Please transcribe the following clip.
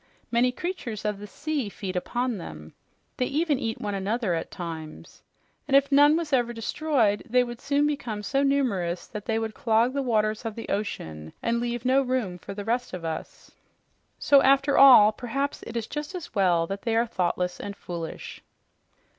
Many creatures of the sea feed upon them. They even eat one another at times. And if none was ever destroyed, they would soon become so numerous that they would clog the waters of the ocean and leave no room for the rest of us. So after all, perhaps it is just as well they are thoughtless and foolish."